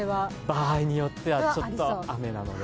場合によってはちょっと雨なので。